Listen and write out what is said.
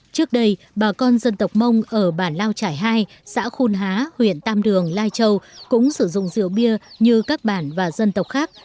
trước đây bà con dân tộc mông ở bản lao trải hai xã khuôn há huyện tam đường lai châu cũng sử dụng rượu bia như các bản và dân tộc khác